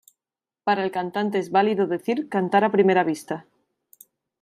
Para el cantante es válido decir cantar a primera vista.